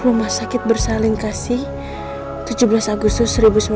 rumah sakit bersalingkasih tujuh belas agustus seribu sembilan ratus sembilan puluh empat